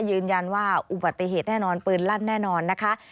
ยืนยันว่าอุบัติเหตุแน่นอนปืนลั่นแน่นอนนะคะ